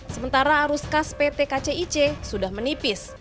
sementara arus kas pt kcic sudah menipis